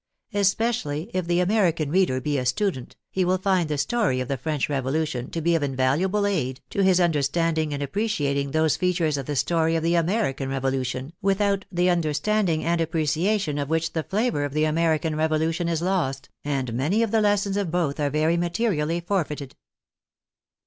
Especially if the American reader be a student, he will find the story of the French Revolution to be of invaluable aid to his understanding and appreciating those features of the story of the American Revolution with out the understanding and appreciation of which the flavor of the American Revolution is lost, and many of the lessons of both are very materially forfeited.